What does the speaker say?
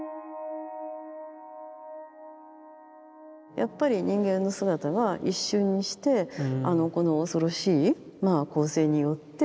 やっぱり人間の姿が一瞬にしてこの恐ろしい光線によって消えてしまう。